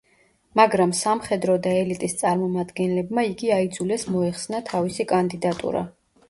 მაგრამ სამხედრო და „ელიტის“ წარმომადგენლებმა იგი აიძულეს მოეხსნა თავისი კანდიდატურა.